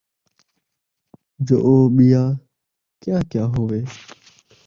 جو او ٻیا کیا کیا ہووے،